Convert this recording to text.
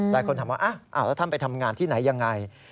หลายคนถามว่าแล้วท่านไปทำงานที่ไหนยังไง